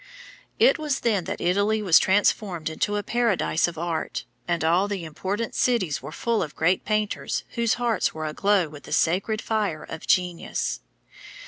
It was then that Italy was transformed into a paradise of art, and all the important cities were full of great painters whose hearts were aglow with the sacred fire of genius.